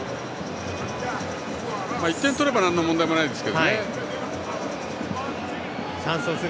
１点取ればなんの問題もないですが。